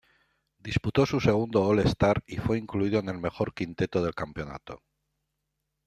Disputó su segundo All-Star, y fue incluido en el mejor quinteto del campeonato.